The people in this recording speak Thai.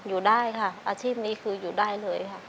อยู่ได้ค่ะอาชีพนี้คืออยู่ได้เลยค่ะ